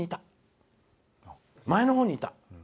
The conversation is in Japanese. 前のほうにいた？